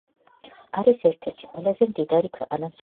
არის ერთ-ერთი ყველაზე მდიდარი ქვეყანა მსოფლიოში.